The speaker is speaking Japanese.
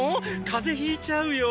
風邪ひいちゃうよ！